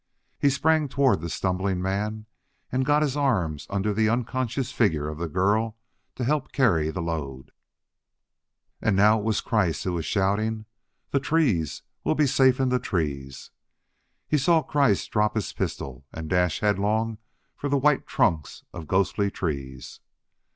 He sprang toward the stumbling man and got his arms under the unconscious figure of the girl to help carry the load. And now it was Kreiss who was shouting. "The trees! We'll be safe in the trees!" He saw Kreiss drop his pistol and dash headlong for the white trunks of ghostly trees.